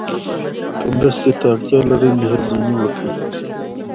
ازادي راډیو د کرهنه په اړه د ټولنې د ځواب ارزونه کړې.